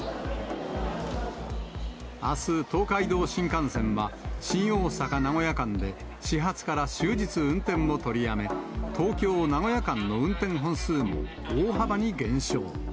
あす、東海道新幹線は新大阪・名古屋間で始発から終日運転を取りやめ、東京・名古屋間の運転本数も、大幅に減少。